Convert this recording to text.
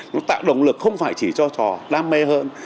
nó tạo động lực không phải chỉ cho trò đam mê hơn